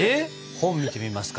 本見てみますか。